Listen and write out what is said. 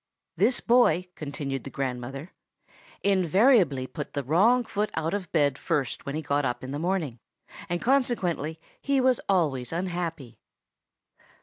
"This boy," continued the grandmother, "invariably put the wrong foot out of bed first when he got up in the morning, and consequently he was always unhappy."